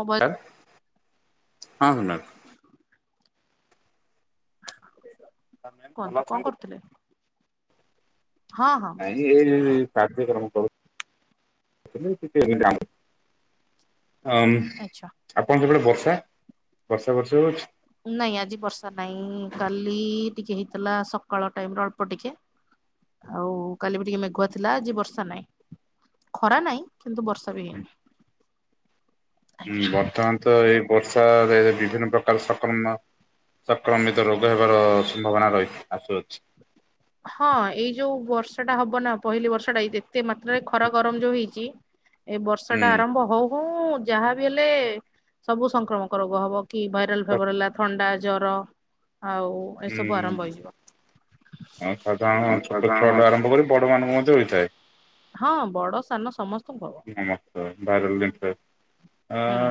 Mobile. Sir ହଁ ସୁନା। [inaudible] Ma'am କୁହନ୍ତୁ ଭଲ କଣ ଅଛନ୍ତି। କରୁଥିଲେ? ହଁ ହଁ। ନାଇ ଏରିର। କାର୍ଯ୍ୟକ୍ରମ କରୁଥିଲି ଟିକେ ଏମିତି ଆମ। ଅଁ ଆଚ୍ଛା। ଆପଣ ସେପଟେ ବ ବର୍ଷା ବର୍ଷା ଫର୍ଷା ହଉଛି। ନାଇଁ ଆଜି ବର୍ଷା ନାଇଁ କାଲି ଟିକେ ହେଇଥିଲା ସକାଳ ଟାଇମ ରେ ଅଳ୍ପ ଟିକେ ଆଉ କାଲି ବି ଟିକେ ମେଘୁଆ ଥିଲା ଆଜି ବର୍ଷା ନାଇଁ ଖରା ନାଇଁ। କିନ୍ତୁ ବର୍ଷା ବି ହେଇନି। ହୁଁ ଆଜ୍ଞା। ବର୍ତ୍ତମାନ ତ ଏଇ। ବର୍ଷାରେ ବିଭିନ୍ନ ପ୍ରକାର ସକ୍ରମ ସଂକ୍ରମିତ ରୋଗ ହେବାର ସମ୍ଭାବନା ରହି ଆସୁଅଛି। ହଁ ଏଇ ଯୋଉ ବର୍ଷ ଟା ହବ ନା ପହିଲି ବର୍ଷ ଟା ଏଇ ଯେ ଏତେ ମାତ୍ରାରେ ଖରା ଗରମ ଯୋଉ ହେଇଛି। ଏ ବର୍ଷ ହୁଁ ଟା ଆରମ୍ଭ ହଉ। ହଁ ଯାହାବି ହେଲେ ସବୁ ସଂକ୍ରମକ ରୋଗ ହବ। କି ଭାଇରାଲ ଫେବର ହେଲା ଥଣ୍ଡା ଜର। ଆଉ ଏସବୁ ଆରମ୍ଭ ହେଇଯିବ। ହଁ ସାଧାରଣ ଛୋଟ ଛୁଆ ଟା ଆରମ୍ଭ କରି ବଡ ମାନଙ୍କୁ ମଧ୍ୟ ହୋଇଥାଏ। ହଁ ବଡ ସାନ ସମସ୍ତଙ୍କୁ ହବ ସମସ୍ତ ଭାଇରାଲ ଜିନିଷ। ହୁଁ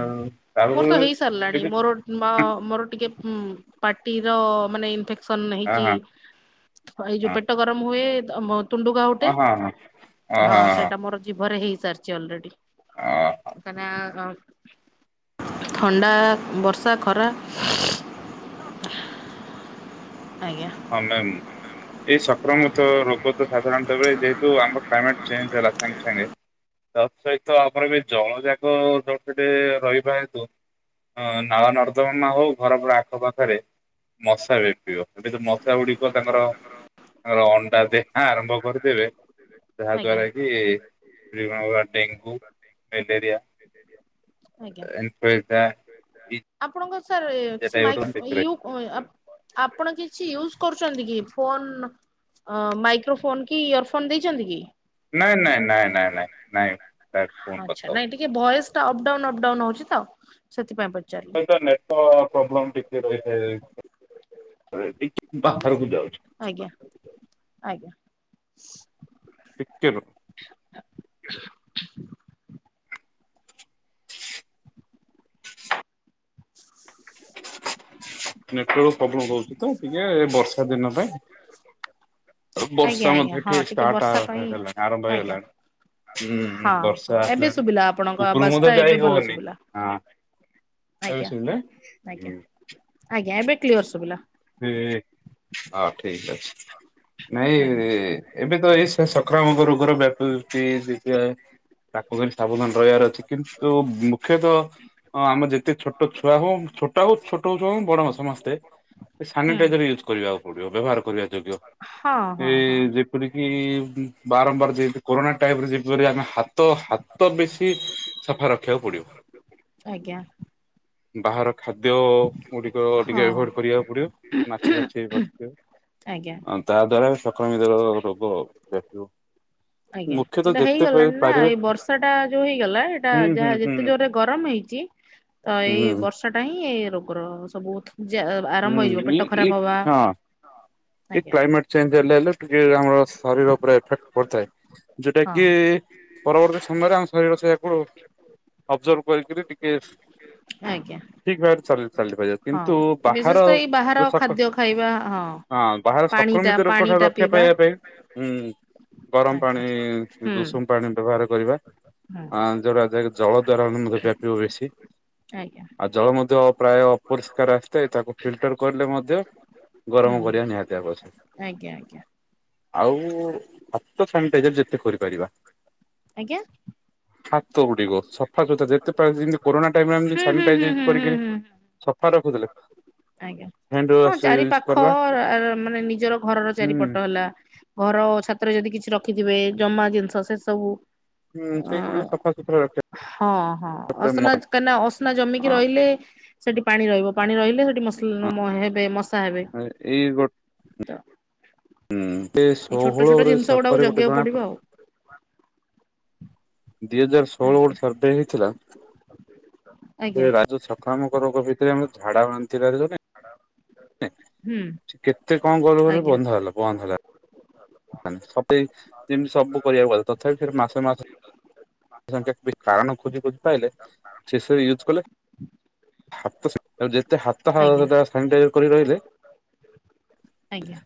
ମୋର ତ ହେଇ ସାରିଲାଣି, ଏବେ ମୋର ମା ମୋର ଟିକେ ଉଁ ପାଟିର ମାନେ ଇନ୍ଫେ ସନ ନେଇକି ହଁ ଏଇ ଯୋଉ ପେଟ ଗରମ ହୁଏ। ଆ ମୋ ତୁଣ୍ଡୁଗା ହଁ ଗୋଟେ ହଁ ହଁ ହଁ ହଁ ହଁ ସେଇଟା ମୋର ଜିଭରେ ହେଇ ସାରିଚି ଅଲରେଡ଼ି। ହଁ ତାନ ଅ ଥଣ୍ଡା ବର୍ଷା ଖରା ଆଜ୍ଞା ହଁ ମ୍ୟାମ୍। ଏଇ ସଂକ୍ରମିତ ରୋଗ ତ ସାଧାରଣତଃବେଳେ ଯେହେତୁ ଆମର କ୍ଲାଇମେଟ ଚେଞ୍ଜ ହେଲା ସାଙ୍ଗେ ସାଙ୍ଗେ ତା ସହିତ ଆମର ବି ଜଳଯାକ ଯଉ ସେଠେ ରହିବା ହେତୁ ନାଳ ନର୍ଦ୍ଦମା ହଉ ଘର ଆଖପାଖରେ ମଶା ବ୍ୟାପିବ। ଏବେ ତ ମଶା ଗୁଡିକ ତାଙ୍କର ତାଙ୍କର ଅଣ୍ଡା ଦେ ଆରମ୍ଭ କରିଦେବେ। ଯାହା ଆଜ୍ଞା ଦ୍ଵାରା କି [unintelligible] ଡେଙ୍ଗୁ ମ୍ୟାଲେରିଆ ଆଜ୍ଞା ଇନଫ୍ଏଜା। [unintelligible] ଆପଣଙ୍କ ସ ସାର୍ ସେ ମାଇକ୍ସ ୟୁ ଆପ ଆପଣ କିଛି ୟୁଜ କରୁ ଛନ୍ତି କି ଫୋନ ମାଇକ୍ରୋ ଫୋନ୍ କି ଇୟର ଫୋନ ଦେଇଛନ୍ତି କି? ନାଇଁ ନାଇଁ ନାଇଁ ନାଇଁ ନାଇଁ ନାଇଁ। ଫୋନ କଥା ଆଛା ହଉ ନାଇଁ ଟିକେ ଭଏସ୍ ଅପଡାଉନ୍ ଅପଡାଉନ୍ ହଉଚି ତ ସେଥିପାଇଁ ପ ନେଟ ତ ପ୍ରୋବ୍ଲେମ୍ ଟିକେ ରହିଥାଏ। [unintelligible] ବାହାରକୁ ଯାଉଚି। ଆଜ୍ଞା ଆଜ୍ଞା ଟିକେ ରୁହ। ନେ [unintelligible] ପ୍ରବ୍ଲେମ୍ ରହୁଚି ତ ଟିକେ ଏ ବର୍ଷା ଦିନ ପାଇଁ। ଆଜ୍ଞା ବର୍ଷା ଆଜ୍ଞା ମଧ୍ୟ ହଁ ଟିକେ ଷ୍ଟାର୍ଟ ଆ ବର୍ଷା ପାଇଁ ହେଲାଣି ଆରମ୍ଭ ଆଜ୍ଞା ହେଇଗଲାଣି ହୁଁ ହଁ ବର୍ଷା ହଁ ଏବେ ଆସିଲାଣି ଶୁଭିଲା ଆପଣଙ୍କ ଉପରୁକୁ ଆବାଜ ମଧ୍ୟ ଟା ଏବେ ଯାଇ ଭଲ ହବନି ଶୁଭିଲା ହଁ ଏବେ ଆଜ୍ଞା ସୁବିଲା ଆଜ୍ଞା ହୁଁ। ଆଜ୍ଞା ଏବେ କ୍ଲିୟର ଶୁଭିଲା ସେ ହଁ ଠିକ ଅଛି ନାଇଁ ହୁଁ ଏବେ ତ ଏଇ ସ ସଂକ୍ରାମକ ରୋଗର ବ୍ୟାପିଚି ଟିକେ ତାକୁ ସାବଧାନ ରହିବାର ଅଛି। କିନ୍ତୁ ମୁଖ୍ୟତଃ ଆମର ଯେତେ ଛୋଟ ଛୁଆ ହଉ ଛୋଟ ହଉ ଛୋଟ ହଉ ଛୁଆ ହଉ ବଡ ସମସ୍ତେ ଏ ହୁଁ ସାନିଟାଇଜର ୟୁଜ କରିବାକୁ ପଡିବ ବ୍ୟବହାର କରିବା ଯୋଗ୍ୟ ହଁ ହଁ ହଁ ଏ ଯେପରିକି ବାରମ୍ବାର ଯେମିତି କରୋନା ଟାଇମ୍ ରେ ଯେପରି ଆମେ ହାତ ହା ତ ବେଶୀ ସଫା ରଖିବାକୁ ପଡିବ। ଆଜ୍ଞା। ବାହାର ଖାଦ୍ୟ ଗୁଡିକ ହଁ ଟିକେ ଏଭଏଡ୍ କରିବାକୁ ପଡିବ। ମାଛି ମାଛି ବସିବେ ଆଜ୍ଞା ଆଉ ତା ଦ୍ଵାରା ବି ଆକ୍ରମିତର ରୋଗ [unintelligible] ଆଜ୍ଞା ମୁଖ୍ୟତଃ ଏଇଟା ଯେତେ ପା- ହେଇଗଲାଣି ନା ପାରିବେ ଏଇ ବର୍ଷା ଟା ଯୋଉ ହେଇଗଲା ଏଇଟା ହୁଁ ହୁଁ ଯାହା ହୁଁ ଯେତେ ଜୋରରେ ଗରମ ହେଇଛି ତ ଏଇ ହୁଁ ବର୍ଷା ଟା ହିଁ [unintelligible] ଯ ଆରମ୍ଭ ହୁଁ ହେଇଯିବ ଇ ପେଟ ଇ ଖରାପ ହବା, ହଁ ଏ ଆଜ୍ଞା କ୍ାଇମେଟ ଚେଞ୍ଜ୍ଲେ ଶରୀର ଉପରେ ଏଫେକ୍ଟ ପଡିଥାଏ, ଯୋଉଟା ହଁ କିି ପରବର୍ତ୍ତୀ ସମୟରେ ଆମ ଶରୀର ସେଇ ତା ଅବଜର୍ଭ କରିକରି ଟିକେ ଆଜ୍ଞା [unintelligible] ହଁ କିନ୍ତୁ ବାହାର ବିଶେଷତ ଏଇ ବାହାର ଯୋଉ ସକ ଖାଦ୍ୟ ଖାଇବା, ହଁ। ହଁ ବାହାର ପାଣି ଟା ସଂକ୍ରମିତ ରୋଗ ପାଣି ଠାରୁ ଟା ରକ୍ଷା ପିଇବା ପାଇବା ପାଇଁ ହୁଁ ଗରମ ଆଜ୍ଞା ପାଣି ହୁଁ ଉଷୁମ ପାଣି ବ୍ୟବହାର, କରିବା। ହୁଁ [unintelligible] [unintelligible] ଉଦାହରଣର ମେ ବ୍ୟାପୀବ ବେଶୀ ଆଜ୍ଞା ଆଉ ଜଳ ମଧ୍ୟ ପ୍ରାୟ ଅପରିଷ୍କାର ଆସିଥାଏ ତାକୁ ଫିଲଟର କଲେ ମଧ୍ୟ ହୁଁ ଗରମ କରି ପିଇବା ନିହାତି ଆବଶ୍ୟକ। ଆଜ୍ଞା ଆଜ୍ଞା। ଆଉ ହାତ ସାନିଟାଇଜର ଯେତେ କରିପାରିବା। ଆଜ୍ଞା ହାତ ଗୁଡିକ ସଫାସତୁରା ଯେତେ ପାରିବ କରୋନା ଟାଇମିରେ ଆମେ ଯଦି ହୁଁ ହୁଁ ହୁଁ ସାନିଟାଇଜର ହୁଁ ହୁଁ କରିକିରି ହୁଁ ସଫା ହଁ ରଖୁଥିଲେ। ଆଜ୍ଞା ହ୍ୟାଣ୍ଡ ହଁ ୱାସ ଚାରି ୟୁଜ କରିବା ପାଖରା ମାନେ ନିଜର ଘରର ହୁଁ ଚାରିପଟ ହେଲା ଘର ଛାତରେ ଯଦି କିଛି ରଖି ଥିବେ ଜମା ଜିନିଷ ସେ ସବୁ ହୁଁ ଅ ସେଇଗୁଡିକ ସଫାସୁତୁରା ହଁ ହଁ ରଖିବା ଅସନା କାହିଁକିନା ଅସନା ଜମିକି ଅ ରହିଲେ ସେଠି ପାଣି ରହିବ ପାଣି ରହିଲେ [unintelligible] [unintelligible] ଏଇ ଗୋ ତ ହୁଁ ଏଇ ଛୋଟ ଛୋଟ ଷୋହୋଳରେ ଜିନିଷ ଗୁଡାକୁ ସତରରେ ଗୋଟେ ଜଗିବାକୁ ଜଣା ପଡିବ ପଡି ଆଉ ଦିହଜାର ଷୋହଳ ଆଜ୍ଞା ଗୋଟେ ସର୍ଭେ ହେଇଥିଲା। ଆଜ୍ଞା ସେ ରାଜ ଛା ଅନେକ ରୋଗ ଭିତରେ ଆମେ ଝାଡାବାନ୍ତି [unintelligible] ହୁଁ କେତେ କଣ କରି କରି ଆଜ୍ଞା ବନ୍ଧା ହେଲା ବନ୍ଦ ହେଲା ସତେଇଶି ଦିନ ଯେମିତି ସବୁ କରିବାକୁ ପଡିଲା ତଥାପି ସେ ମାସେ ମାସେ [unintelligible] କାରଣ ଖୋଜି ଖୋଜି ପାଇଲେ ଶେଷରେ ୟୁଜ କଲେ। ହାତ [unintelligible] ହାତ ଆଜ୍ଞା [unintelligible] ସାନିଟାଇଜର କରି ରହିଲେ। ଆଜ୍ଞା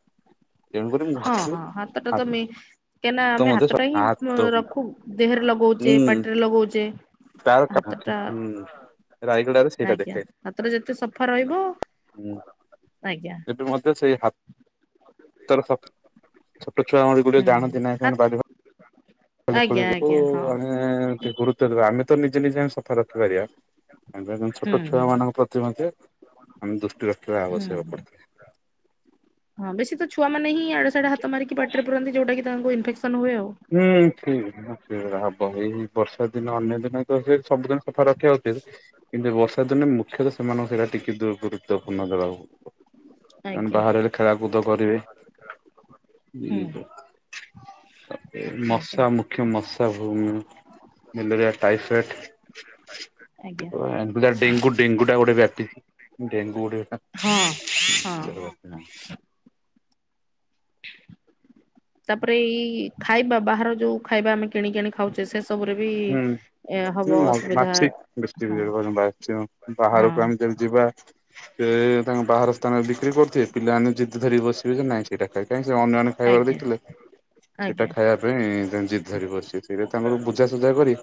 ତେଣୁକରି ମୁଁ ହଁ, ଭାବିଲି ହଁ ହାତଟା ତମେ କାହିଁକିନା ହାତ ଆମେ ମଧ୍ୟ ହାତଟା ହିଁ ହାତ ହୁଁ ରଖୁ ଦେହରେ ଲଗ ଲଗଉଛେ ପାଟିରେ ଲଗଉଛେ ତାର କାମାକ୍ଷା ହାତଟା ହୁଁ ରାଇଗଡାରେ ସେଇଟା ଆଜ୍ଞା ଦେଖେ। ହାତଟା ଯେତେ ସଫା ରହିବ ହୁଁ ଆଜ୍ଞା ଏବେ ମଧ୍ୟ ସେଇ ହାତ ତୋର ତ ଛୋଟ ଛୁଆ ଗୁଡିକ ହୁଁ। ଜାଣନ୍ତି ନାହିଁ ହା ସେମାନେ ବାଲି ଫାଲି ଆଜ୍ଞା ପୁରେଇବେ ଓ ଆଜ୍ଞା ହଁ ଆମେ ଟିକେ ଗୁରୁତ୍ୱ ଦେବା ଆମେ ତ ନିଜେ ନିଜେ ଆସ ସଫା ରଖିପାରିବା ଆଗେ ଆମେ ହୁଁ ଛୋଟ ଛୁଆ ହୁଁ ମାନଙ୍କ ପ୍ରତି ମଧ୍ୟ ଆମେ ଦୃଷ୍ଟି ରଖିବା ଆବଶ୍ୟକ ହୁଁ ପଡିଥାଏ। ହଁ ବେଶୀ ତ ଛୁଆମାନେ ହିଁ ଆଡେ ସାଡେ ହାତ ମାରିକି ପାଟିରେ ପରାନ୍ତି ଯୋଉଟା କି ତାଙ୍କୁ ଇନଫେକ୍ସନ ହୁଏ ଆଉ। ବହି ବର୍ଷା ଦିନ ଅନ୍ୟ ଦିନ ତ ସେ ସବୁଦିନ ସଫା ରଖିବା ଉଚିତ କିନ୍ତୁ ବର୍ଷା ଦିନେ ମୁଖ୍ୟତଃ ସେମାନଙ୍କୁ ସେଇଟା ଟିକେ ଦୁର୍ ଗୁରୁତ୍ୱପୂର୍ଣ୍ଣ ଦେବାକୁ କାରଣ ଆଜ୍ଞା ବାହାର ରେ ଖେଳ କୁଦ କରିବେ [unintelligible] ହୁଁ। ହଁ ଆଜ୍ଞା ମସା ମୁଖ୍ୟ ମସା ଭୁମ୍ ମ୍ୟାଲେରିଆ ଟାଇଫଏଡ୍ ଆଜ୍ଞା। ଜା ଡେଙ୍ଗୁ ଡେଙ୍ଗୁ ଟା ଗୋଟେ ବ୍ୟାପିଚି ଡେଙ୍ଗୁ ଗୋଟେ ହଁ ହଁ। ତାପରେ ଏଇ ଖାଇବା ବାହାର ଯୋଉ ଖାଇବା ଆମେ କିଣିକି ଆଣି ଖାଉଛେ ସେ- ସବୁରେ ବି ଏ ହବ ହୁଁ ଅସୁବିଧା ମାଛି ହଁ ବେଶୀ ହଁ ବାହାରକୁ ଆମେ ଯଦି ଯିବା ସେ ତାଙ୍କ ବାହାର ସ୍ଥାନରେ ବିକ୍ରି କରୁଥିବେ ପିଲାମାନେ ଯିଦି ଧରି ବସିବେ ଯେ ନାଇଁ ଏଟାଖାଇ କାଇଁ ସେ ଅନ୍ୟମାନେ ଖାଇବାର ଆଜ୍ଞା। ଦେଖିଲେ ସେଟା ଆଜ୍ଞା ଖାଇବା ପାଇଁ ଜିଦ୍ ଧରି ବସିବେ। ତାଙ୍କର ବୁ ବୁଝାସୁଝା କରି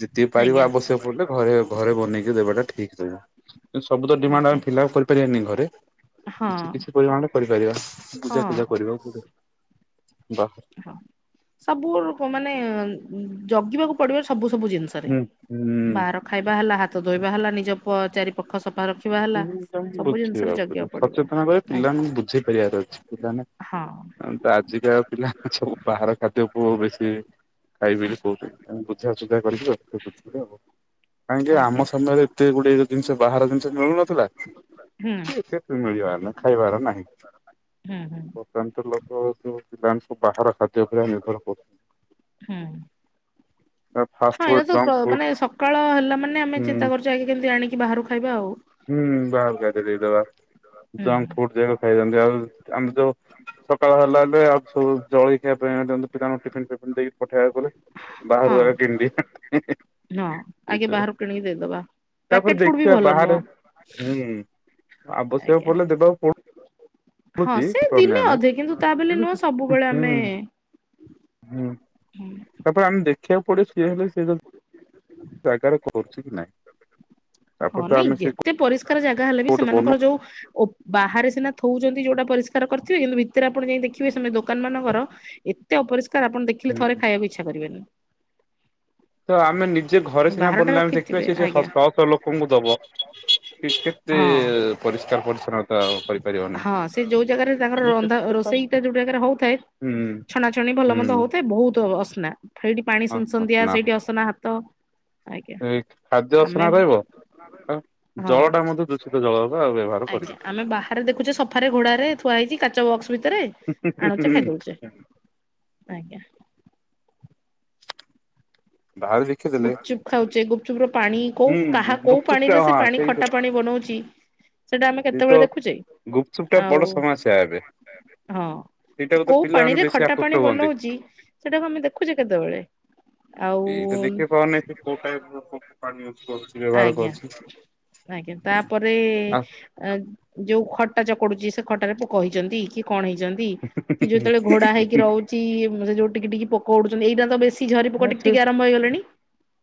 ଜେତିକି ପାରିବା ଆଜ୍ଞା ଆବଶ୍ୟକ ପଡ଼ିଲେ ଘରେ ଘରେ ବନେଇକି ଦେବାଟା ଠିକ ତେଣୁ ସବୁ ତ ଡିମାଣ୍ଡ ଆମେ ଆଜ୍ଞା ଫିଲପ୍ କରିପାରିବାନି ଘରେ ହଁ କିଛି କିଛି ପରିମାଣରେ କରିପାରିବା ହଁ ବୁଝାସୁଝା କରିବାକୁ ପଡ଼ିବ। ବାହା ହଁ ସବୁବେଳକୁ ମାନେ ଜଗିବାକୁ ପଡିବ ସବୁ ସବୁ ଜିନିଷରେ ହୁଁ ହୁଁ। ବାହାର ଖାଇବା ହେଲା ହାତ ହାତ ଧୋଇବା ହେଲା ନିଜ ପ ଚାରିପଖ ସ। ତ ବୁଝିବା ଉପରେ ପଡିବ ସଚେତନ କରି ଆଜ୍ଞା ପିଲାମାନଙ୍କୁ ବୁଝେଇ ପାରେଇବାର ଅଛି ହଁ ପିଲାମାନେ ତ ଆଜିକା ପିଲା। ସବୁ ବାହାର ଖାଦ୍ୟକୁ ଆ ବେଶୀ ଖାଇବି ବୋଲି କହୁଛନ୍ତି ତାଙ୍କୁ ବୁଝାସୁଝା କରିକି ଆଉ ବୁଝିଇଲେ ହବ କାହିଁକି ଆମ ଆଜ୍ଞା ସମୟରେ ଏତେ ଗୋଟେ ଜିନିଷ ବାହାର ଜି ମିଳୁନଥିଲା ହୁଁ ସେ ମିଳିବାର ନା ଖାଇବାର ନାହିଁ ହୁଁ ହୁଁ ବର୍ତ୍ତମାନ ତ ଲୋକ ସବୁ ବାମ ବାହାର ଖାଦ୍ୟ ଉପରେ ନିର୍ଭର ହୁଁ। କରୁଛନ୍ତି। ଫାଷ୍ଟ ହଁ ଏଇରା ଫୁଡ୍ ସ ଜଙ୍କ ପ୍ର ଫୁଡ୍ ମାନେ ସକାଳ ହେଲା ମାନେ ଆମେ ଚିନ୍ତା ହୁଁ କରୁଛୁ ଆଗେ କେମତି ଆଣି ବାହାରୁ ଖାଇବା ଆଉ। ହୁଁ ଦେଇଦବାଙ୍କ ଫୁଡ ଯାକ ଖାଇନ୍ତି ଆଉ ଆମ ଯୋଉ ସକାଳ ହେଲା ଆଉ ସବୁ ଜଳିଖିଆ ପାଇଁ ପିଲାଙ୍କୁ ଟିଫିନ ଦେଇକି ପଠେଇବାକୁ ପଡେ, ହଁ ବାହାରେ [unintelligible] ହଁ ଆଗେ ଦେଇଦବା, ବାହାରୁ କିଣିକି ଦେଇଦବା। ତାପରେ ପ୍ୟାକେଟ ଫୁଡ ବି ଦେଖିବା ଭଲ ବାହାରେ ନୁହଁ [unintelligible] ଆବଶ୍ୟକ ଆଜ୍ଞା ପଡ଼ିଲେ ଦେବାକୁ ପଡୁ ହଁ ସେ ଦିନେ ଅଧେ କିନ୍ତୁ ତା ବୋଲି ନୁହଁ ସବୁବେଳେ ଆମେ ହୁଁ, ତାପରେ ଆମେ ଦେଖ ଖିଆ ପଡେ ସିଏ ହେଲେ ସେ ଜାଗାରେ କର ସେଖିନାଇ ହଁ ନାଇଁ ଯେତେ ପରିଷ୍ ଜାଗା ହେଲେ ବି, ଗୋଟେ ବନଉ ସେମାନଙ୍କର ଯୋଉ ବାହାରେ ସିନା ଥଉଛନ୍ତି ଯଉଟା ପରିଷ୍କାର କରିଥିବ କିନ୍ତୁ ଭିତରେ ଆପଣ ଯାଇ ଦେ ଦେଖିବେ ସେମିତି ଦୋକାନ ମାନଙ୍କର ଏତେ ଅପରିଷ୍କାର, ଆପଣ ଦେଖିଲେ ଥରେ ହୁଁ ଖାଇବାକୁ ଇଛା କରିବେନି। ତ ଆମେ ନି ସେ ଘରେ ସିନା ବାହାରଟା ବନିଲେ ଆମେ ଦେଖିବା, ରଖିଥିବେ ସେ ଶହ ଆଜ୍ଞା ଶହ ଲୋକଙ୍କୁ ଦବ। ସେ କେତେ ହଁ ପରିଷ୍କାର ପରିଚ୍ଛନ୍ନତା କରିପାରିବ ନାହିଁ, ହଁ ସେ ଯୋଉ ଜାଗାରେ ତାଙ୍କର ରନ୍ଧା ରୋଷେଇଟା ଯୋଉ ଜାଗାରେ ହଉଥାଏ ହୁଁ ଛଣାଛଣି ଭଲ ମନ୍ଦ ହୁଁ ହଉଥାଏ ବହୁତ ଅସନା ସେଇଠି ପାଣି ହ ସନସନ୍ଦିଆ ହ ସେଇଠି ଅସନା ହାତହୁତି ଅ ଆଜ୍ଞା, ଖାଦ୍ୟ ଆମେ ଅସନା ରହିବ ହଁ ଜଳ ଟା ମଧ୍ୟ ଦୂଷିତ ଜଳ ବା ବ୍ୟବହାର କରିବେ ଆଜ୍ଞା, ଆମେ ବାହାରେ ଦେଖୁଛେ ସଫାରେ ଘୋଡାରେ ଥୁଆ ହେଇଛି କାଚ ବକ୍ସ ଭିତରେ ଆଣୁଛେ ଖାଇଦଉଛେ, ଆଜ୍ଞା। ବାହାରେ ଦେଖିଦେଲେ ଗୁପଚୁପ୍ ଖାଉଚେ ଗୁପ୍ [unintelligible] ପାଣି କୋଉ ହୁଁ କାହା କୋଉ ଗୁପଚୁପ୍ ଟା ପାଣିରେ ସେ ହଁ ପାଣି ସେଇ ଖଟା ପାଣି ବନଉଚି? ସେଟା ଆମେ ସେ ତ କେତେବେଳେ ଦେଖୁଛେ, ଗୁପଚୁପ୍ ଟା ଆଉ ବଡ ସମସ୍ୟା ଏବେ ହଁ ସେ ସେଇଟାକୁ ତ କୋଉ ପିଲାମାନେ ପାଣିରେ ବେଶୀ ଖଟା ଆକୃଷ୍ଟ ପାଣି ହୁଅନ୍ତି। ବନଉଚି ସେଟାକୁ ଆମେ ଦେଖୁଛେ କେତେବେଳେ? ଆଉ ଏଇ ତ ଦେଖିବା ପାଓନେ କୋଉ ଟାଇପ୍ ର କ ଆଜ୍ଞା, ଆଜ୍ଞା, ତାପରେ ଆଉ ଆ ଯୋଉ ଖଟା ଚକଡୁଚି ସେ ଖଟାରେ ପୋକ ହେଇଛନ୍ତି କି କଣ ହେଇଛନ୍ତି, କି ଯେତେବେଳେ ଘୋଡା ହେଇକି ରହୁଛି ଯୋଉ ଟିକି ଟିକି ପୋ କରୁଚନ୍ତି ଏଇଟା ତ ବେସ୍ ସେ ଝରି ପୋକ ନା ଟିକ ସେ ଟିକେ ଆରମ୍ଭ ହେଇଗଲେଣି।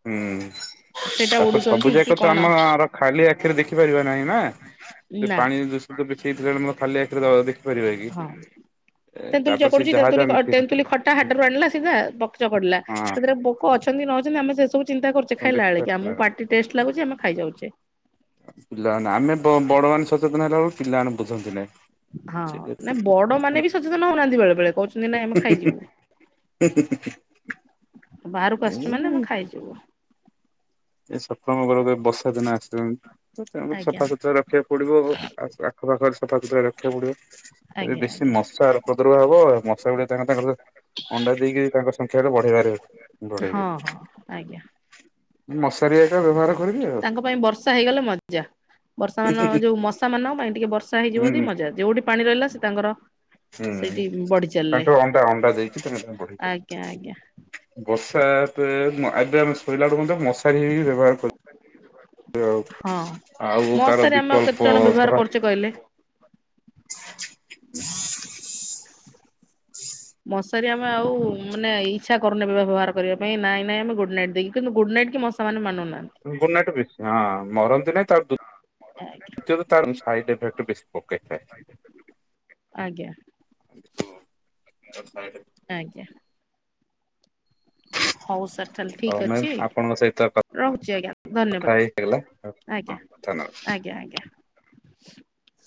ହୁଁ ସେଇଟା ତାପରେ ସବୁ ଉଡୁଛନ୍ତି କି ଯାକ ତ କଣ ଆମର ଖାଲି ଆଖିରେ ଦେଖି ପାରିବା ନାହିଁ ନା ସେ ନା ପାଣି ଦୂଷିତ କିଛି ହେଇଥିଲେ ଖାଲି ଆଖିରେ ଦେଖିପାରିବା କି ହଁ ତେନ୍ତୁଲି ତାପରେ ସେ ଚକଡୁଛି ଯାହା ତେନ୍ତୁଲି ଯାହା ଅ, ମିଶେଇ। ତେନ୍ତୁଲି ଖଟା ହାଟରୁ ଆଣିଲା ସିଧା ପକ ଚକଡିଲା। ହଁ ସେଥିରେ ପୋକ ଅଛନ୍ତି ନ ଅ ଆମେ ସେ ସବୁ ଚିନ୍ତାୁ କରୁଛେ ତମେ ଖାଇଲା ବେଲେ। ଦେଖିପାରୁଛ ପିଲାମାନେ ଆମେ ବଡ ମାନେ ସଚେତନ ହେଲା ବେଳକୁ ପିଲାମାନେ ସେମାନେ ବୁଝନ୍ତି ନାହିଁ। ହଁ ସେ ନାଇ ବଡ ମାନେ ବି ସଚେତନ ହଉନାହାନ୍ତି ବେଳେ ବେଳେ କହୁଛନ୍ତି ନାଇଁ ଆମେ ଖାଇଯିବୁ ବାହାରକୁ ଆସିଛୁ ମାନେ ଆମେ ଖାଇଯିବୁ। ଏ ସବୁ। ଆମ ବର୍ଷା ଦିନ ଆସିଛନ୍ତି ତ ତାଙ୍କୁ ଆଜ୍ଞା ସଫା ସୁତୁରା ରଖିବାକୁ ପଡିବ ଆଖପାଖରେ ସଫା ସୁତୁରା ରଖିବାକୁ ପଡିବ ଏବେ ଆଜ୍ଞା ବେଶୀ ଆଜ୍ଞା। ମଶାର ପ୍ରଦୁର୍ଭାବ ହବ ଆ ମଶା ଗୁଡ ତାଙ୍କ ତାଙ୍କର ଅଣ୍ଡା ଦେଇକି ତାଙ୍କ ସଂଖ୍ୟା ଗା ବଢେଇବାରେ ହଁ ବଢେଇବେ। ହଁ ଆଜ୍ଞା ମସ୍ ତାଙ୍କ ପାଇଁ ବର୍ଷା ହେଇଗଲେ ମଜା ବର୍ଷା ମାନ ଯୋଉ ମଶା ମାନଙ୍କ ପାଇଁ ଟିକେ ବ ବର୍ଷା ହେଇ ଜୀବ ହୁଁ ଜଦି ମଜା ଯଉଠି ପାଣି ରହିଲା। ସେ ତାଙ୍କର। ହୁଁ ସେଇଠି ବଢି ଚାଲିଲେ ତାଙ୍କ ଅଣ୍ଡା ଅଣ୍ଡା ଦେଇକି ତାଙ୍କ ବଢେଇ ଆଜ୍ଞା ଆଜ୍ଞା ପାରିବ ବର୍ଷା ତ। ଏବେ ଆମେ ଶୋଇଲା ବେଳକୁ ମଶାରୀ ହେଇକି ବ୍ୟବହାର କର ହଁ। ଆଉ ଆଉ ତାର ମଶାରୀ ଆମେ ଆଉ କେତେ ବିକଳ୍ପ ଜଣ ବ୍ୟବହାର ର କରୁଛେ କହିଲେ ହୁଁ। [inaudible] ମଶାରୀ ଆମେ ଆଉ ମାନେ ଇଚ୍ଛା କରୁନେବେ ବ୍ୟବହାର କରିବା ପାଇଁ ନାଇଁ ନାଇଁ ଆମେ ଗୁଡ ନାଇଟ୍ ଦେଇକି କିନ୍ତୁ ଗୁଡ ନାଇଟ୍ କି ମଶା ମାନେ ମାନୁନି ଗୁଡନାଇଟ ବି ହଁ। ମରନ୍ତି ନାଁହିଁ ତ ଆଜ୍ଞା ଯଦ ତାର ସାଇଡ୍ ଇଫେକଟ୍ ବେଶୀ ପକେ ହେ। ଆଜ୍ଞା। ଆଜ୍ଞା [inaudible] ହଉ ସାର ତା ହେଲେ ଠିକ ମ୍ୟାମ୍ ଅଛି ଆପଣଙ୍କ ସହିତ ରହୁଛି ଆଜ୍ଞା କଥା ଧନ୍ୟବାଦ ହେଇଗଲା ହଁ ଆଜ୍ଞା ଧନ୍ୟବାଦ। ଆଜ୍ଞା ଆଜ୍ଞା। [inaudible]